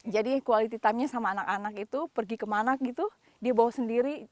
jadi quality time nya sama anak anak itu pergi ke mana gitu dia bawa sendiri